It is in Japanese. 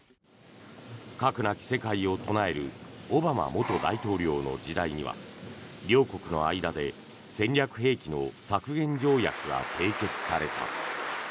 核なき世界を唱えるオバマ元大統領の時代には両国の間で戦略兵器の削減条約が締結された。